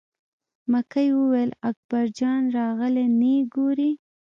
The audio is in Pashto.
مکۍ وویل: اکبر جان راغلی نه یې ګورې.